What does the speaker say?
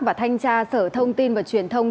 và thanh tra sở thông tin và truyền thông